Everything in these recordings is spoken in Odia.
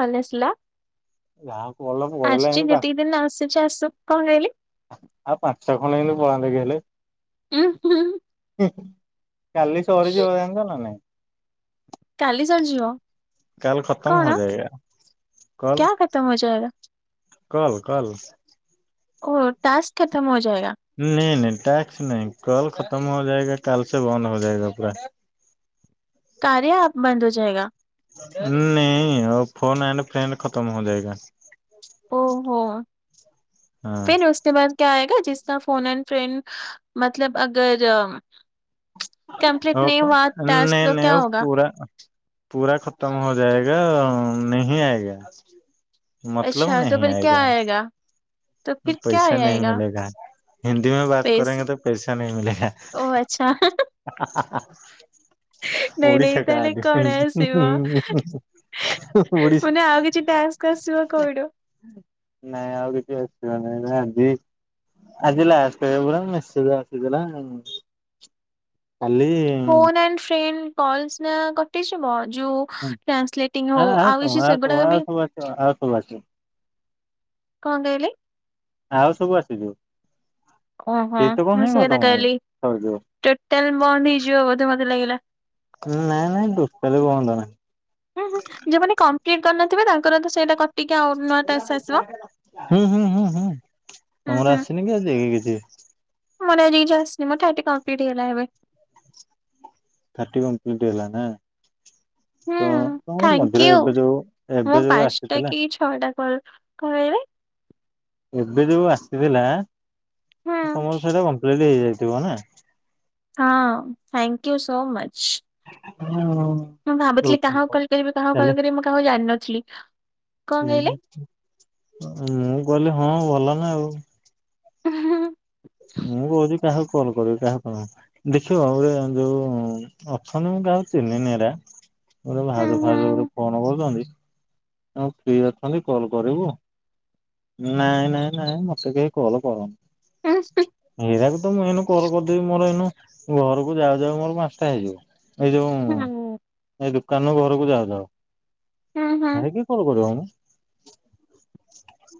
[unintelligible] ଆସିଲା। ଯାହାକୁ ଭଲ ପଳେଇଲା ଆସୁଛି ଏମିତି ପା ଯେତିକି ଦିନ ଆସୁଛି ଆସୁ। କଣ କହିଲେ? ଆଉ ପାଞ୍ଚ [unintelligible] ବନ୍ଦ ହେଇଗଲେ। ଉଁ ହୁଁ। କାଲି ସରିଯିବ ଜାଣିଚ ନା ନାଇଁ? କାଲି ସରିଯିବ? କାଲ୍ ଖତମ ହୋ କଣ ଜାୟେଗା କ୍ୟା କଲ- ଖତମ ହୋ ଜାଏଗା କଲ -କଲ। ଓ ଟାସ୍କ ଖତମ ହୋ ଜାୟେଗା। ନେଇ ନେଇ ଟ୍ୟାକ୍ସ ନେଇ କଲ ଖତମ ହୋ ଯାଏଗା କଲ ସେ ବନ୍ଦ ହୋ ଯାଏଗା ପୁରା। [inaudible] କାର୍ୟ୍ୟା ଆପ ବନ୍ଦ ହୋ ଜାୟେଗା? ଉଁ ନେଇ ଓ ଫୋନ ଏଣ୍ଡ ଫ୍ରେଣ୍ଡ ଖତମ ହୋ ଜାୟେଗା। ଓହୋ। ଉସ୍କେ ବାଦ୍ କ୍ୟା ଆଏଗା ଯିସ୍କା ଫୋନ ଏଣ୍ଡ ଫ୍ରେଣ୍ଡ ମତଲବ ଅଗର ଓ ପ ନେଇ ନେଇ ୱ ପୁରା ପୁରା ଖତମ ହୋ ଯାୟେଗା ନେହି ଆୟେଗା। ମତଲବ ନେହିଁ ଆଏଗା। ପଇସା ନେହି ଆଏଗା ମିଲେଗା। ହିନ୍ଦୀ ମେ ବାତ ପେସ୍ କରେଙ୍ଗେ ତୋ ପେଇସା ନେହୀ ମିଲେଗା ଓ ଆଚ୍ଛା ହା ହା ହା। ନାଇଁ ନାଇଁ ଓଡିଶା କା ତାହେଲେ କଣ ଆସିବ [unintelligible] ମାନେ ଆଉ କିଛି ଟାସ୍କ ଆସିବ କଇଡ। ନାଇଁ ଆଉ କିଛି ଆସ ବନି ଆଜି ଆଜି ଲାଷ୍ଟେ ପା ମେସେଜ ଆସିଥିଲା। ଖାଲି ଫୋନ ଆଣ୍ଡ ଫ୍ରେନ୍ କଲସ ନା କଟିଛିବ ଯୋଉ ଟ୍ରାନ୍ସଲେଟିଂ ହଁ ହଉ ଆଉ ସବୁ କିଛି ସବୁ ସେଗୁଡା ଆଉ ବି ସବୁ ଆସିବ ଆଉ ସବୁ ଆସିବ କଣ କହିଲି? ଆଉ ସବୁ ଆସିଛୁ। ଓହୋ ମୁଁ ସେ କଥା ଖତମ ହେଇ କହିଲି ସରିଯିବ। ଟୋଟାଲ ବନ୍ଦ ହେଇଯିବ ବୋଧେ ମତେ ଲାଗିଲା। ନାଇଁ ନାଇଁ ଦୋଷ କୁହନ୍ତ ନାହିଁ। ହୁଁ ହୁ ଯୋଉମାନେ କମ୍ପ୍ଲିଟ କରିନଥିବ ତାଙ୍କର ତ ସେଇଟା କଟିକି ଆଉ ନୂଆ ଟାସ୍କ ଆସିବ। ହୁଁ, ହୁଁ, ହୁଁ, ହୁଁ ହୁଁ ତମର ଆସିନି କି ଆଜିକି କିଛି? ମନ ଆଜି ଜାସ୍ ନି ମଁ କମ୍ପ୍ଲିଟ ହେଲାବେ [unintelligible] ଥାଟିି କମ୍ପ୍ଲଟ୍ଇଲ ନା। ତ ହୁଁ ତମ ଥ୍ୟାଙ୍କ ମନ୍ଦିରେ ୟୁ ଏବେ ଯୋଉ ଏବେ ଯୋଉ ଆସିଥିଲା। ହଁଟା କ କହେ [inaudible] ଏବେ ଯୋଉ ଆସିଥିଲା ହୁଁ ତମର ସେଇଟା କମ୍ପ୍ଲିଟ ହେଇଯାଇଥିବ ନା? ହଁ ଥ୍ୟାଙ୍କ ୟୁ ସୋ ମଚ। ହଁ। ମୁଁ ଭାବୁଥିଲି କାହା କଲ୍ କରିବି କାହାକୁ କଲ କରିବି ମୁଁ କାହାକୁ ଜାଣିନଥିଲି। କଣ ହୁଁ ମୁଁ କଲିି ହଁ ଭଲ ନା ଆଉ। ହଁ। ମୁଁ କହୁଛିି କାହାକୁ କଲ୍ କରିବି କାହା କଣ? ଦେଖିବ ଗୋଟେ ଯୋଉ ଅଛନ୍ତିଛନ୍ତି ମୁ କାଉ ଚିହ୍ନିନିରେ। ଗୋଟେ ହୁଁ ଭାଜ ଫାଜ ଉପରେ ହୁଁ କଣ କରୁଛନ୍ତି? ହଉ ଫ୍ରୀ ଅଛନ୍ତି କଲ କରିବୁ। ନାଇଁ, ନାଇଁ, ନାଇଁ ମତେ କେହି କଲ କରନି। ହୁଁ ଏଇରାକୁ ତ ମୁଁ ଏଇନୁ କର କରିଦେବି ମୋର ଏଇନୁ ଘରକୁ ଯାଉ ଯାଉ ମୋର ପାଞ୍ଚଟା ହେଇଯିବ। ଏଇ ଯୋଉ ହୁଁ ଏଇ ଦୋକାନରୁ ଘରକୁ ଯାଉ ଯାଉ। ହଁ ହଁ। ହେରା କଲ୍ କରନଁ [unintelligible]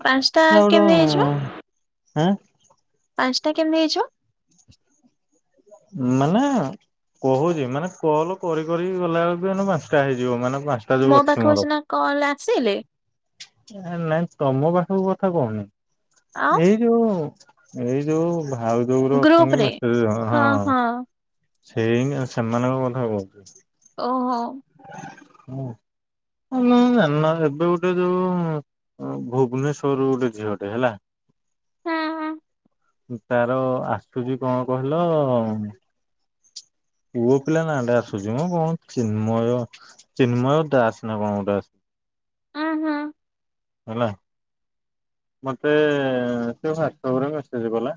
ପାଞ୍ଚଟା ଏଉଡୁ କେମିତି ହେଇଯିବ ଆଁ ପାଞ୍ଚଟା କେମିତି ହେଇଛ? ମାନେ କହୁଛି ମାନେ କଲ କରି କରି ଗଲାବେଳେ ବି ମେ ପାଞ୍ଚଟା ହେଇଯିବ। ମାନେ ପାଞ୍ଚଟ ମୋ ପାଖକୁ ସିନା କଲ ଆସିଲେ। ନାଇଁ ତମ ପାଖକୁ କଥା କହୁନି। ଆଉ ଏଇ ଏଇ ଯୋଉ ଏଇ ଯୋଉ ଭାଉଜ ଯୋଉ ର ଗ୍ରୁପ ଅଛନ୍ତି ରେ ମେ ହଁ, ହଁ। ସେଇ ସେମାନଙ୍କ କଥା କହୁଛି। ଓହୋ। ହଜାଣିନା ଏବେ ଗୋଟେ ଯୋଉ ଓ ଭୁବନେଶ୍ୱରରୁ ଗୋଟେ ଝିଅଟେ ହେଲା। ହୁଁ ହୁଁ ସେ ତାର ଆସୁଛି କଣ କହିଲ? ପୁଅ ପିଲା ନାଟା ଆସୁଛି ମୁଁ କଣ ଚିନ୍ମୟ ଚିନ୍ମୟ ଦାସ ନା କଣ ଗୋଟେ ଆସୁଛି। ଅ, ହଁ। ହେଲା। ମତେ ସେ ୱଟସବରେ ମେସେଜ କଲା।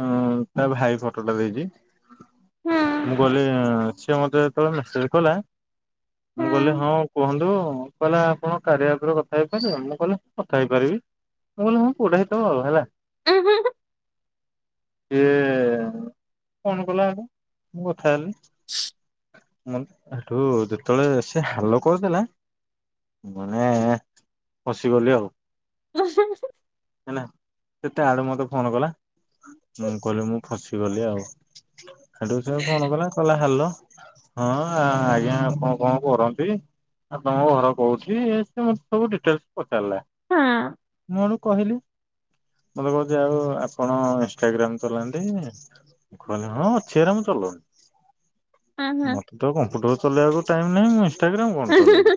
ହଁ ତା ଭାଇ ଫଟୋଟା ଦେଇଛି। ହୁଁ ମୁଁ ଗଲି ସିଏ ମତେ ତଳେ ମି କହିଲା ମୁଁ ହୁଁ। କହିଲି ହଁ କୁହନ୍ତୁ କହିଲା ଆପଣ କାରିଆ ଆପରେ କଥା ହେଇପାରିବେ। ମୁଁ କହିଲି କଥା ହେଇପାରିବି ପାରିବି ମୁଁ କହିଲି ମୁ ପୁଅଟା ସହିତ ହେଲା। ଉ ହୁ ହୁ ସିଏ ଫୋନ କଲା ଆଗ ମୁଁ କଥା ହେଲି। [inaudible] ମୋ ହେଠୁ ଯେତେବେଳେ ସେ ହାଲୋ କରିଦେଲା। [unintelligible] ପଶିଗଲି ଆଉ। [unintelligible] ହେଲା ସେ ତା ଆଡୁ ମତେ ଫୋନ କଲା। ମୁଁ କହିଲି ମୁଁ ଫସିଗଲି ଆଉ ସେଠୁ ସେ ଫୋନ୍ କଲା କହିଲା ହାଲୋ। ହଁଆ ଆଜ୍ଞା ଆପଣ କଣ କରନ୍ତି? ଆପଣଙ୍କ ଘର କୋଉଠି ଇଏ ସେ ମତେ ସବୁ ଡିଟେଲସ ପଚାରିଲା। ହଁ। ମୁଁ ହେଠୁ କହିଲି ମତେ କହୁଛି ଆଉ ଆପଣ ଇନଷ୍ଟାଗ୍ରାମ ଚଲାନ୍ତି। ଘଲେ ହଁ ଅଛି ହେରା ମୁଚଲଉନି। ହଁ ହୁଁ ମତେ ତ କମ୍ପ୍ୟୁଟର ଚଲେଇବାକୁ ଟାଇମ ନାହିଁ। ଇନ୍ଷ୍ଟାଗ୍ରାମ କଣ ଚଳେଇବି?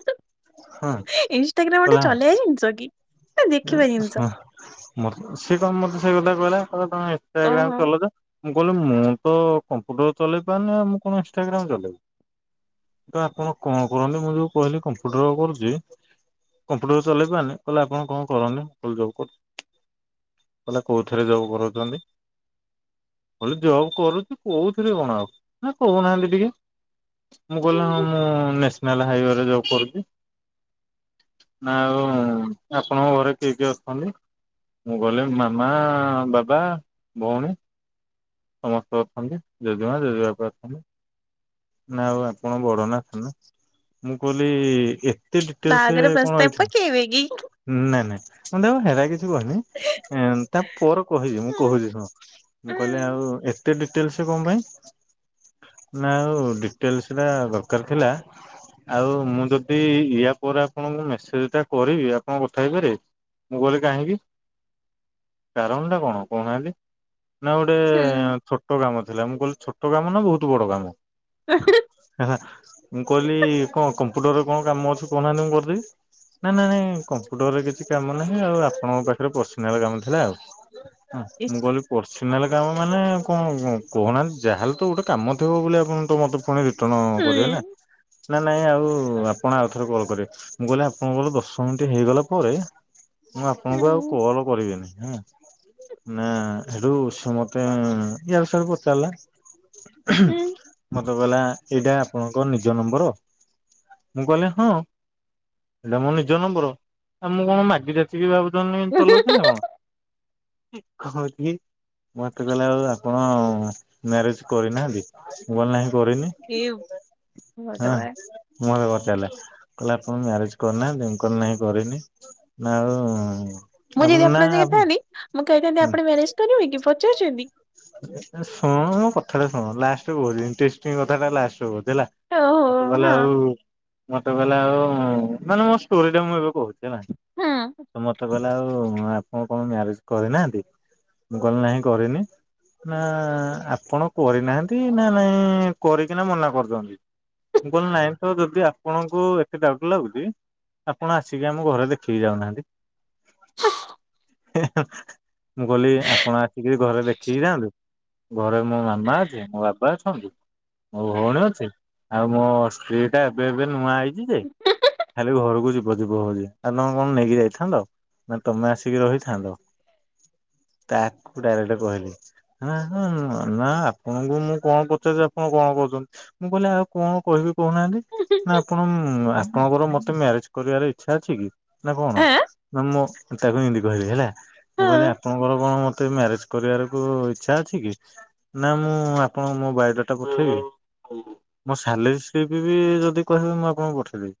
ହଁ କହିଲା? ସେ ଜିନିଷକି? ହ ମତ୍ ସେ କଣ ମତେ ସେ କଥା କହିଲା କି ତମେ ଇନଷ୍ଟାଗ୍ରାମ ଓହୋ ଚଲଉଛ। ମୁଁ କହିଲି ମୁଁ ତ କମ୍ପ୍ୟୁଟର ଚଲେଇ ପାରୁନି ମୁଁ କଣ ଇନଷ୍ଟାଗ୍ରାମ ଚଲେଇବି। ତ ଆପଣ କଣ କରନ୍ତି ମୁଁ ଯୋଉ କହିଲି କମ୍ପ୍ୟୁଟର କରୁଛି। କମ୍ପ୍ୟୁଟର ଚଲେଇପାରୁନି କହିଲେ ଆପଣ କଣ କରନି [unintelligible] ଜବ କହିଲା କୋଉଥିରେ ଜବ କରଉଛନ୍ତି। ମୁଁ କହିଲି ଜବ୍ କରୁଛି, କୋଉଥିରେ କଣ ଆଉ ନା କହୁନାହାନ୍ତି ଟିକେ? ମୁଁ କହିଲି ହ ମୁଁ ନେସ ନେସନାଲ ହାଇୱେରେ ଜବ କରୁଛି ନା ଆଉ ଆପଣଙ୍କ ଘରେ କିଏ କିଏ ଅଛନ୍ତି? ମୁଁ ଗଲେ ମାମା ବାବା ଭଉଣୀ। ସମସ୍ତେ ଅଛନ୍ତି ଜେଜେମା ଜେଜବାପା ଅଛନ୍ତି। ନା ଆଉ ଆପଣ ବଡନା ଥାନ ମୁଁ କହିଲି ଏ ଡ଼ିଟେଲସ ବାହାଘର କଣ ପ୍ରସ୍ତାବ ଏଇଠି ପକେଇବେ କି? ନାଇଁ ନାଇଁ ମୁଁ ତାକୁ ହେରା କିଛି କହିନି। ଏଁ ତା ପରେ କହିବି ମୁଁ ହୁଁ କହୁଛି ଶୁଣ ମୁଁ କହିଲି ଆଉ ଏ ଏତେ ଡିଟେଲ୍ସ କଣ ପାଇଁ, ନା ଆଉ ଡିଟେଲ୍ସଟା ଦରକାର ଥିଲା। ଆଉ ମୁଁ ଯଦି ଇଆ ପରେ ଆପଣଙ୍କୁ ମେସେଜଟା କରିବି ଆପଣ କଥା ହେଇପାରିବେ। ମୁଁ କହିଲି କାହିଁକି କାରଣଟା କଣ କହୁନାହାନ୍ତି। ନା ଗୋଟେ ହୁଁ ହୁଁ ଛୋଟ କାମ ଥିଲା, ମୁଁ କହିଲି ଛୋଟ କାମ ନା ବହୁତ ବଡ଼ କାମ। [inaudible] ହେ ମୁଁ କହିଲି କଣ କମ୍ପ୍ୟୁଟରରେ କଣ କାମ ଅଛି କଉ ନାହାନ୍ତି ମୁଁ କରିଦେବି। ନା ନା ନାଇଁ କମ୍ପୁଟରରେ କିଛି କାମ ନାହିଁ ଆଉ ଆପଣଙ୍କ ପାଖରେ ପର୍ସନାଲ କାମ ଥିଲା ଆଉ। ହଁ ଇସ୍ ମୁଗଲୁ। ପର୍ସିନାଲ କାମ ମାନେ କଣ କହୁନାହାନ୍ତି ଯାହେଲେ ତ ଗୋଟେ କାମ ଥିବ ବୋଲି ଆପଣ ତ ମୋତେ ହୁଁ ଫୁଣି [unintelligible] ନା ନାଇଁ ଆଉ ଆପଣ ଆଉ ଥରେ କଲ କରିବେ ମୁଁ କହିଲି ଆପଣଙ୍କର ଦଶ ମିନିଟ୍ ହେଇଗଲା ପରେ ମୁଁ ହୁଁ ଆପଣଙ୍କୁ ଆଉ କଲ କରିବିନି ହୁଁ। ନା ସେଠୁ ସେ ମୋତେ ୟାରୁ ସିଆରୁ ପଚାରିଲା। ହୁଁ। ମତେ କହିଲା ଏଇଟା ଆପଣଙ୍କ ନିଜ ନମ୍ବର ମୁଁ କହିଲେ ହଁ। ଏଇଟା ମୋ ନିଜ ନମ୍ବର ଆଉ ମୁଁ କଣ ମାଗି ଯାଚି ଭାବୁଛନ୍ତି ଚଲାଉଛି ନା କଣ? [unintelligible] ମତେ କହିଲା ଆଉ ଆପଣ ମ୍ୟାରେଜ୍ କରିନାହାନ୍ତି ମୁଁ କହିଲି ନାହିଁ କରିନି। ଏ ଭଗବାନ୍। ମୁହଁରେ ପଚାରିଲା କହିଲା ଆପଣ ମ୍ୟାରେଜ୍ କରିନାହାନ୍ତି, ମୁଁ କହିଲି ନାହିଁ କରିନି। ନା ଆଉ ମୁଁ ଆପଣ ଯଦି ନା ଆପଣଙ୍କ ଜାଗାରେ ଥାନ୍ତି ମୁଁ କହିଥାନ୍ତି ଆପଣ ମ୍ୟାରେଜ କରିବେକି ପଚାରୁଛନ୍ତି? [unintelligible] ମୋ କଥାଟା ଶୁଣ ଲାଷ୍ଟରେ କହୁଛି ଇଣ୍ଟଷ୍ଟିଂ କଥା ଟା ଲାଷ୍ଟରେ କହୁଛି। ହେଲା ଓହୋ ମତେ କହିଲା ହଁ ଆଉ ମତେ କହିଲା ଆଉ ମାନେ ମୋ ଷ୍ଟୋରି ଟା ମୁଁ ଏବେ କହୁଛି। ହେଲା ହଁ ତ ମତ ମତେ କହିଲା ଆଉ ଆପଣ କଣ ମ୍ୟାରେଜ କରିନାହାନ୍ତି ମୁଁ କହିଲି ନାହିଁ କରିନି। ନା ଆପଣ କରିନାହାନ୍ତି ନା ନାଇଁ କରିକିନା ମନା କରୁଛନ୍ତି। ମୁଁ କହିଲି ନାଇଁ ତ ଯଦି ଆପଣଙ୍କୁ ଏତେ ଡାଉଟ୍ ଲାଗୁଛି। ଆପଣ ଆସିକି ଆମ ଘରେ ଦେଖିକି ଯାଉନାହାନ୍ତି। [unintelligible] ମୁଁ କହଲି ଆପଣ ଆସିକିରି ଘରେ ଦେଖିକି ଯାଆନ୍ତୁ। ଘରେ ମୋ ମାମା ଅଛି ମୋ ବାପା ଅଛନ୍ତି। ମୋ ଭଉଣୀ ଅଛି ଆଉ ମୋ ସ୍ତ୍ରୀ ଟା ଏବେ ଏବେ ନୂଆ ଆଇଚି ଯେ ଖାଲି ଘରକୁ ଯିବ ଯିବ ହଉଛି ଆଉ ତମେ କଣ ନେଇକି ଯାଇଥାନ୍ତ ନା ତମେ ଆସିକି ରହିଥାନ୍ତ। ତାକୁ ଡାଇରେକ୍ଟ କହିଲି। [unintelligible] ନା ଆପଣଙ୍କୁ ମୁଁ କଣ ପଚାରୁଛି ଆପଣ କଣ କହୁଛନ୍ତି। ମୁଁ କହିଲି ଆଉ କଣ କହିବି କହୁନାହାନ୍ତି ନା ଆପଣ ଆପଣଙ୍କର ମତେ ମ୍ୟାରେଜ କରିବାର ଇଚ୍ଛା ଅଛି କି? ନା କଣ ନା ମୁଁ ତାକୁ ଏନ୍ତି କହିଲି ହେଲା ମୁଁ ଆଁ କହିଲି ଆପଣଙ୍କର କଣ ମତେ ମ୍ୟାରେଜ କରିବାରକୁ ଇଚ୍ଛା ଅଛି କି ନା ମୁଁ ଆପଣ ମୋ ବାଇଓ ଡାଟା ପଠେଇବି। ମୋ ସାଲେରୀ ସିପ୍ ବି ଯଦି କହିବେ ମୁଁ ଆପଣଙ୍କୁ ପଠେଇଦେବି।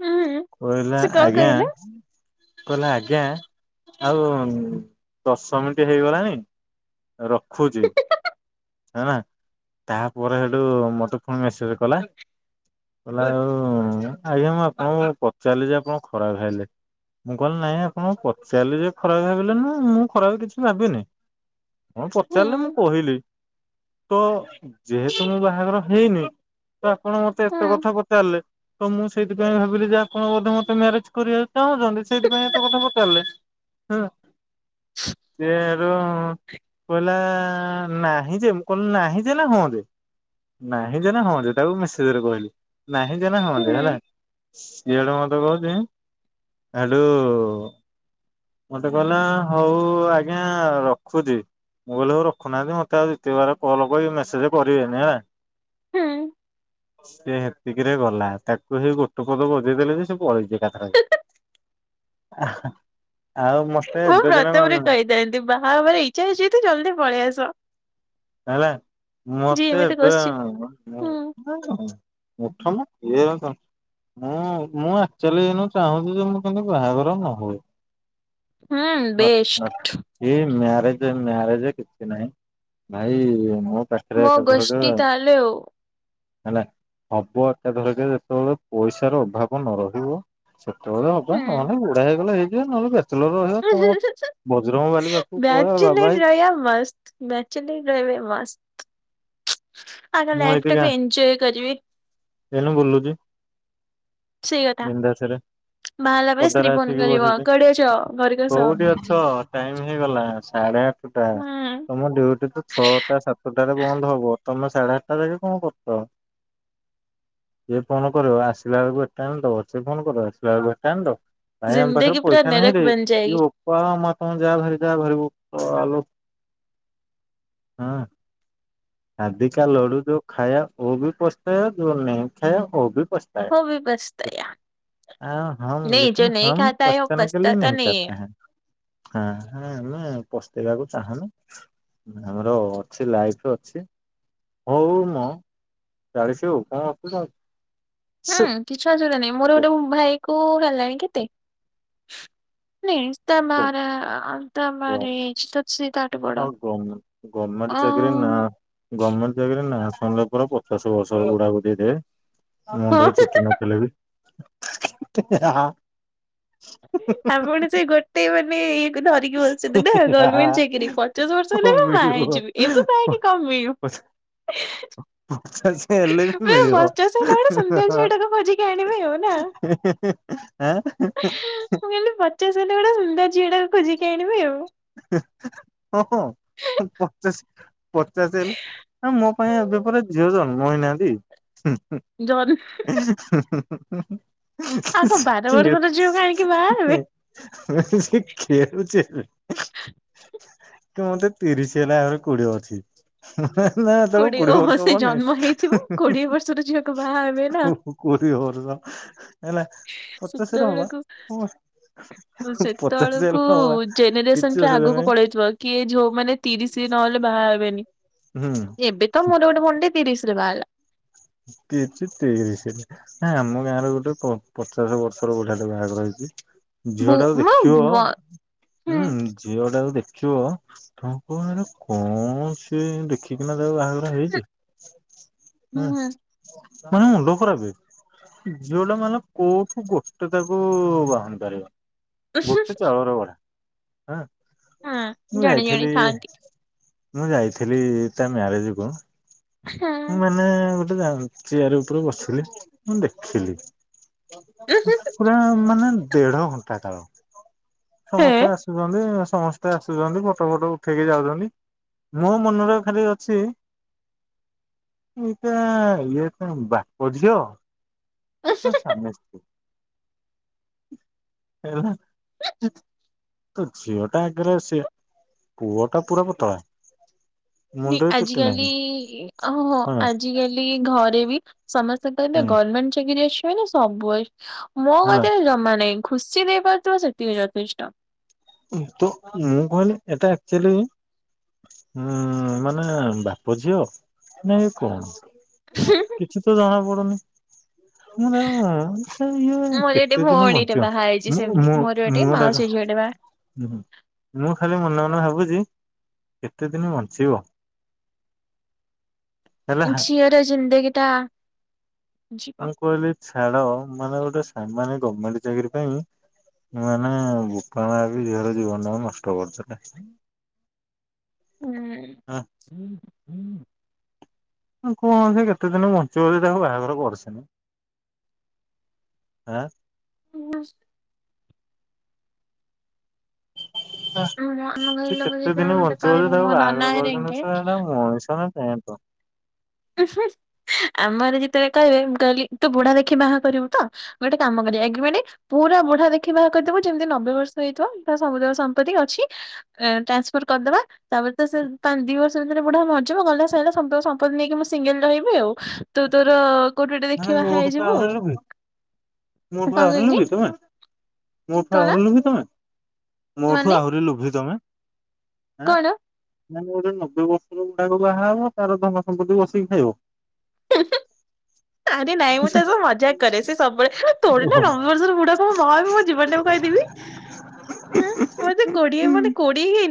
ହଁ ହୁଁ। କହିଲା ସେ କଣ ଆଜ୍ଞା। କହିଲେ କହିଲା ଆଜ୍ଞା ଆଉ ଦଶ ମିଣ୍ଟି ହେଇଗଲାଣି। ରଖୁଛି। ହେଲା ତାପରେ ହେଠୁ ମତେ ଫୁଣି ମେସେଜେ କଲା। କଲା ଆଉ ଆଜ୍ଞା ମୁଁ ଆପଣଙ୍କୁ ପଚାରିଲି ଯେ ଆପଣ ଖରାପ ଭାବିଲେ। ମୁଁ କହିଲି ନାଇଁ ଆପଣ ପଚାରିଲେ ଯେ ଖରାପ ଭାବିଲେ ନୁହେଁ ମୁଁ ଖରାପ କିଛି ଭାବିନି। କଣ ହୁଁ ପଚାରିଲେ ମୁଁ କହିଲି ତ ଯେହେତୁ ମୋ ବାହାଘର ହେଇନି ତ ଆପଣ ମତେ ହୁଁ ଏତ କଥା ପଚାରିଲେ। ତ ମୁଁ ସେଇଥିପାଇଁ ଭାବିଲି ଯେ ଆପଣ ବୋଧେ ମତେ ମ୍ୟାରେଜ କରିବାକୁ ଚାହୁଁଛନ୍ତି ସେଇଥିପାଇଁ ଏତେ କଥା ପଚାରିଲେ। ହୁଁ ସିଏ ହେଠୁ କହିଲା ନାହିଁ ଯେ ମୁଁ କହିଲି ନାହିଁ ଯେ ନା ହଁ ଯେ ନାହିଁ ଯେନା ହଁ ଜେ ତାକୁ ମେସେଜରେ କହିଲି ନାହିଁ ଯେନା ହଁ ହୁଁ ଜେ ହେଲା ସିଏ ହେଟୁ ମ କହୁଛି ହେଠୁ ମତେ କହିଲା ହଉ ଆଜ୍ଞା ର ଖୁଚି ମୁଁ କହିଲି ହୋଉ ରଖୁନାହାନ୍ତି ମୋତେ ଆଉ ଦ୍ୱିତୀୟ ବାର କଲ୍ କରି ମେସେଜ କରିବେନି ହେଲା। ହୁଁ। ସିଏ ହେ ତିକିରେ ଗଲା ତାକୁ ସେଇ ଗୋଟେ ପଦ ବଜେଇ ଦେଲେ ଯେ ସେ ପଳେଇଚି ଏକାଥରକେ। ଆଉ ମତେ ଏବେ ଦିନେ [unintelligible] ଏନ୍ତି ବାହା ହବାର ଇଛା ଅଛି ଯଦି ଜଲଦି ପଳେଇ ଆସ। ହେଲା ଯିଏ ମତେ ଏମିତି ଏବେ କରୁଛି ହ ହୁଁ ମୁଠମ ଇଏ ଏରା କାମ୍ ମୁଁ ମୁଁ ଆକ୍ଚୁଆଲି ଏଇନୁ ଚାହୁଁଛି ଯେ ମୁଁ କିନ୍ତୁ ବାହାଘର ନ ହୁଏ। ହୁଁ ବେଷ୍ଟ। ଇଏ ମ୍ୟାରେଜ ମ୍ୟାରେଜ କିଛି ନାହିଁ ଭାଇ ମୁଁ ତାକ ମୋ ଗୋଷ୍ଟି ତାହାଲେ ଅଉ ହେଲା ହବ ଏକାଥରକେ ଯେତବେଳେ ପଇସାର ଅଭାବ ନ ରହିବ। ସେତେବେଳେ ହବା ହୁଁ। ନହେଲେ ବୁଢା ହେଇଗଲେ ହେଇଯିବା ନହେଲେ ଦେ ଚଲର ରହିବା କଣ ଅଛି ବଜରଙ୍ଗ ବାଲି ପାଖକୁ। ପଳେଇବା ବାବା ବ୍ୟାଚଲର ହେଇ ରହିଆ ମସ୍ତ ବ୍ୟାଚଲର ରହିବେ ମସ୍ତ। ଆର ଲାଇଫ ଟା ବି ଏନଜୟ କରିବି। ଏଇନେ ବୁଲୁଚି ସେଇ କଥା ବିନ୍ଦାସରେ। ବାହାହେଲା ପରେ ସ୍ତ୍ରୀ ପଦାରେ ଫୋନ ଆସିକି କରିବ ବସିଛି କୁଆଡେ ଅଛ ଘରକୁ ଆସ କୋଉଠି ଅଛ? ଟାଇମ ହେଇଗଲା ସାଢେ ଆଠଟା ହୁଁ। ତମ ଡିୟୁଟି ତ ଛଅଟା ସାତଟାରେ ବନ୍ଦ ହବ ତମେ ସାଢେ ଆଠଟା ଯାଙ୍କେ କଣ କରୁଛ? ସିଏ ଫୋନ କରିବ ଆସିଲା ବେଳକୁ ଏଟା ଆଣିଦେବ। ସେ ଫୋନ କରିବ ଆସିଲା ବେଳକୁ ହେଟା ଆଣିଦେଵ। ଭାଇ ଆମ ପାଖରେ ଜିନ୍ଦଗୀ ପୁରା ପଇସା ନାହିଁ ରେ ନରକ ବନ ଇଏ ଯାଏଗି ବୋ ପୁଅ ଆମର କଣ ଯାଆ ଭାରି ଯାଆ ଭାରି ବୋପାଲୋ ହଁ ସାଦିକା ଲଡୁ ଯୋ ଖାୟା ଓ ବି ପସ୍ତାୟା ଯୋ ନେହିଁ ଖାୟା ଓ ବି ପସ୍ତ ହୋ ବି ପସ୍ତାୟା। ଆଓ ହମ୍ ଲେକେନ୍ ହମ୍ ଖାତା ହେ ଓ ପସ୍ତାନେ ବସ୍ତା କେଲିଏ ତା ନେହୀ ନେଇ ଚାହତା ହେ। ହଁ ହଁ ଆମେ ପସ୍ତେଇବାକୁ ଚାହୁଁନୁ ଆମର ଅଛି ଲାଇଫ ଅ ଛି ହଉ ମୁଁ ଚାଳିଶ ହଉ କଣ ଅସୁବିଧା ହଉଚି। ହୁଁ କିଛି ଅସୁଵିଧା ନାହିଁ ମୋର ଅଛି ଗୋଟେ ଭାଇକୁ ହେଲାଣି କେତେ? [unintelligible] ହଉ [unintelligible] ଗମେଟ ଅ ଚାକରି ନା। ଗମେଟ ଚାକିରୀ ନାଁ ଶୁଣିଲେ ପରା ପଚାଶ ବର୍ଷର ବୁଢାକୁ ଦେଇଦେବେ। ହଁ। ମୁଣ୍ଡରେ ଚୁଟି ନଥିଲେ ବି ଇ ହି ହା ହା। ଆପଣ ସେ ଗୋଟେ ବୋଲି ଧରିକି ବସିଥିବି ଆଉ ଗଭର୍ଣମେଣ୍ଟ ଚାକିରି ପଚାଶ ବର୍ଷ ହେଲେ ମୁଁ ବାହା ମିଳିବ ହେଇଯିବି ଏବେ ବାହା ହେଇକି କଣ ମିଳିବ। ପଚାଶ ହେଲେ ବି ଏଁ ମିଳିବ। ପଚାଶ ହେଲାବେଳକୁ ସେମିତିଆ ଝିଅଟା ତ ଖୋଜିକି ଆଣିବେ ଆଉ ନାଁ? [unintelligible] ମୁଁ କହିଲି ପଚାଶ ହେଲେ ଗୋଟା ସୁନ୍ଦର ଝିଅଟାକୁ ଖୋଜିକି ଆଣିବି ଆଉ। ହ ହଁ ପଚାଶ ପଚାଶ ହେଲେ ଆ ମୋ ପାଇଁ ଏବେ ପରା ଝିଅ ଜନ୍ମ ହେଇନାହାଁନ୍ତି। ଜନ୍ ସେ ଆଗ ବାର ବର୍ଷର ଝିଅ କାହିଁକି ବାହା ହେବେ। ମାନେ ସିଏ ଖେଳୁଛି ଏବେ କି ମତେ ତିରିଶ ହେଲା ଆହୁରି କୋଡିଏ ଅଛି। ନା ଏତେଳକୁ କୋଡିଏ ଓହୋ ବର୍ଷ ସେ ହବନି। ଜନ୍ମ ହେଇଥିବ କୋଡିଏ ବର୍ଷର ଝିଅକୁ ବାହା ହେବେ ନା। କୋଡ଼ିଏ ବରଷ ହେଲା ପଚାଶରେ ହବା ସେତେବେଳକୁ ହବା ପଚାଶ ହେଲେ ହବା କିଛି ସଂଖ୍ୟା ଅସୁବିଧା ଆଗକୁ ନାହିଁ ପଳେଇଥିବ କିଏ ଯୋଉ ମାନେ ତିରିଶ ନହେଲେ ବାହା ହେବେନି। ହୁଁ। ଏବେ ତ ମୋର ଗୋଟେ ଭଉଣୀ ଟେ ତିରିଶରେ ବାହା ହେଲା। [unintelligible] ତିରିଶି। ଆ ଆମ ଗାଁର ଗୋଟେ ପ ପ ଚାଶ ବର୍ଷର ବୁଢ଼ାଟେ ବାହାଘର ହେଇଛି। ବୋ ଝିଅ ଟାକୁ ମୋ ବ ଦେଖିବ। ହୁଁ ଝିଅ ଟାକୁ ଦେଖିବ ତମେ କହିବ ଆର କଣ ସିଏ ଦେଖି ଚିକନା ଯୋଗୁ ବାହାଘର ହେଇଛି ହୁଁ ହୁଁ ବା ତୁମ ମୁଣ୍ଡ ଖରପେ। ଝିଅ ଟା ମାନେ କୋଉଠୁ ଗୋଟେ ତାକୁ ବାହୁନିପାରିବନି। ଗୋଟେ ଚାଉଳରେ ଗଢ଼ା। ଆଁ ମୁଁ ଜାଣି ଜାଣି ଯାଇଥିଲି ଥାଆନ୍ତି। ମୁଁ ଯାଇଥିଲି ତା ମ୍ୟାରେଜ କୁମ ମୁଁ ମାନେ ଗୋଟେ ଚେୟାର ଉପରେ ବସିଲି ମୁଁ ଦେଖିଲି ପୁରା ମାନେ ଦେଢ ଘଣ୍ଟା କାଳ ସମସ୍ତେ ଆସୁଚନ୍ତି ସମସ୍ତେ ଆସୁଚନ୍ତି ଫଟୋ ଫଟ ଉଠେଇକି ଯାଉଚନ୍ତି। ମୋ ମନରେ ଖାଲି ଅଛି ଇଏ ତା ଇଏ ତା ବାପ ଝିଅ ନା ସ୍ୱାମୀ ସ୍ତ୍ରୀ ଏଭଡ଼ା। ତ ଝିଅ ଟା ଆଗରେ ସେ ପୁଅ ଟା ପୁରା ପତଳା। ମୁଣ୍ଡରେ ଆଜି ଚୁଟି ନାହିଁ ହଁ କାଲିହଁଆଜିକାଲି ଘରେ ବି ସମସ୍ତେ କହିବେ ହୁଁ ଗର୍ମେଣ୍ଟ ଚାକିରିୀ ଅଛି ମାନେ ସବୁ ଅଇ ମୋ ହେଲା କତିରେ ଜମା ନାହିଁ। ଖୁସି ଦେଇପାରୁଥିବ ସେତିକି ଯଥେଷ୍ଟ। ତ ମୁଁ କହିଲି ଏଟା ଆକ୍ଚୁଆଲି ହୁଁ ମାନେ ବାପ ଝିଅ ନାଏ କଣ। ହୁଁ। କିଛି ତ ଜଣା ପଡୁନି। ମୁଁ ତାକୁ ସାର ଇଏ ମୋର ଗୋଟେ କେତେ ଦିନ ଭଉଣୀଟେ ବଞ୍ଚିବ ବାହା ହେଇଛି ମୁଁ ସେମିତି ମୁଁ ମୋର ଗୋଟେ ମୁଁ ଦାଦା ମାଉସୀ ଝିଅଟେ ବାହା ହୁଁ ମୁଁ ଖାଲି ମନେ ମନେ ଭାବୁଚି କେତେ ଦିନ ବଞ୍ଚିବ। ହେଲା ଝିଅର ଜିନ୍ଦଗୀଟା ଯିବ। ମୁଁ କଇଲି ଛାଡ ମ ମାନେ ଗୋଟେ ସାମାନ୍ୟ ଗର୍ମେଣ୍ଟ ଚାକିରି ପାଇଁ ମାନେ ବୋପା ମା ବି ଝିଅର ଜୀବନ ଟା କୁନଷ୍ଟ କରିଦେଲେ। ହୁଁ। ଆଉ କଅଁସେ କେତେ ଦିନ ବଞ୍ଚିବ ଯେ ତାକୁ ବାହାଘର କରି ଚ଼ନ୍ତି। ଆଁ। ହ। [unintelligible] ଆମ ଘର ହେ ଲୋକ କେତେ ଯେତେବେଳେ ଦିନ ମତେ ବଞ୍ଚିବ ଯେ କହିବେ ତାକୁ ମୋ ନନା ବାହାଘର ହେରିଙ୍କେ କରିୁଚ଼ନ୍ତି ସଳାଟା ମଣିଷ ନା ସିହାଁତ। ହୁଁ ହୁଁ ଆମର ଯେତେବେଳେ କହିବେ ମୁ କଈଲି ତୁ ବୁଢା ଦେଖି ବାହା କରିବୁ ତ। ଗୋଟେ କାମ କରିବା ଏଗିରିମେଣ୍ଟ ପୁରା ମୁଢା ଦେଖି ବାହା କରିଦେବୁ ଯେ ଯେମିତି ନବେ ବର୍ଷ ହେଇଥିବ ତାର ସବୁ ଯାକ ସମ୍ପତ୍ତି ଅଛି ଟ୍ରାନ୍ସଫର୍ କରିଦବା ତାପରେ ତ ସେ ପା ଦି ବର୍ଷ ଭିତରେ ବୁଢା ମରିଯିବ ଗଲା ସଇଲା ସମ୍ପ ସମ୍ପତି ନେଇକି ମୁଁ ସିଙ୍ଗଲ ରହିବି ଆଉ ତୁ ତୋର କୋଉଠି ଗୋଟେ ମାନେ ଦେଖି ବାହା ମୋଠୁ ତ ହେଇଯିବୁ ଆହୁରି ଆଉ ଲୋଭି ମୋଠୁ କଣ ଆହୁରି କହିଲି ଲୋଭି ତମେ ମୋଠୁ କଣ ଆହୁରି ଲୋଭି ତମେ। ମୋଠୁ ମାନେ ଆହୁରି ଲୋଭି ତମେ ଆଁ। କଣ? ମାନେ ଗୋଟେ ନବେ ବର୍ଷର ବୁଢାକୁ ବାହା ହବ ତାର ଧନ ସମ୍ପତ୍ତି ବସିକି ଖାଇବ। ଉଁ ହୁଁ। ନାଇଁରେ ନାଇଁ ମୁଁ ତାକୁ ମଜାକ୍ କରେ ସେ ସବୁବେଳେ ଥୋଡ଼ି ନା ଓହୋ। ନବେ ବର୍ଷର ବୁଢା କୁ ମୁଁ ବାହା ହେବି ମୋ ଜୀବନ ଟାକୁ କଇଁଦେବି। ମତେ କୋଡିଏ ହୁଁ ମାନେ କୋଡିଏ ହେଇନି।